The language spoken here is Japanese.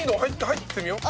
入ってみよう。